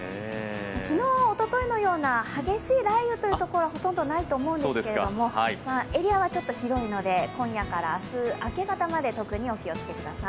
昨日、おとといのような激しい雷雨というのはほとんどないと思うんですけれどもエリアはちょっと広いので今夜から明日明け方まで、特にお気をつけください。